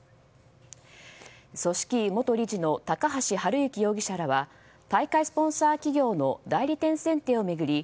組織委元理事の高橋治之容疑者らは大会スポンサー企業の代理店選定を巡り